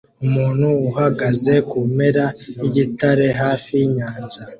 Umuntu uhagaze kumpera yigitare hafi yinyanja